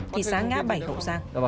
thì xá ngã bảy hậu sang